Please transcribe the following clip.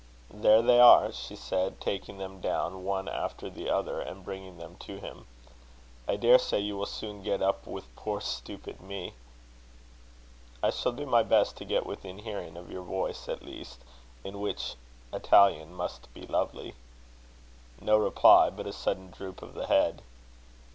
"There they are," she said, taking them down one after the other, and bringing them to him. "I daresay you will soon get up with poor stupid me." "I shall do my best to get within hearing of your voice, at least, in which Italian must be lovely." No reply, but a sudden droop of the head.